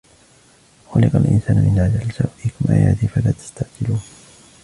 خلق الإنسان من عجل سأريكم آياتي فلا تستعجلون